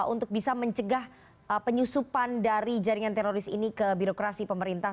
untuk bisa mencegah penyusupan dari jaringan teroris ini ke birokrasi pemerintah